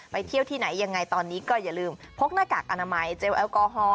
เที่ยวที่ไหนยังไงตอนนี้ก็อย่าลืมพกหน้ากากอนามัยเจลแอลกอฮอล